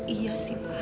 iya sih pak